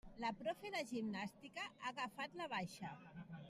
La profe de gimnàstica ha agafat la baixa.